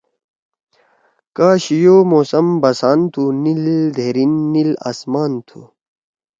کا شیِو موسم بسان تُھو۔ نیل دہیرین، نیل آسمان تُھو۔